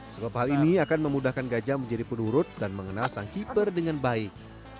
sebab hal ini akan memudahkan gajah menjadi penurut dan mengenal sang keeper dengan baik